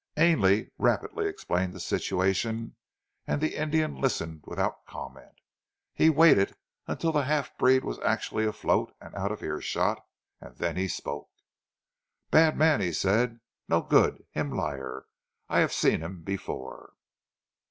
Ainley rapidly explained the situation and the Indian listened without comment. He waited until the half breed was actually afloat and out of earshot, and then he spoke. "Bad man!" he said. "No good. Heem liar. I have seen heem b'fore."